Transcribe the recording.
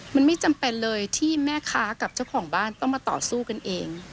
มันไม่จำเป็นเลยที่แม่ค้ากับเจ้าของบ้านต้องมาต่อสู้กันเอง